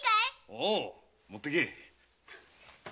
おう持ってけ！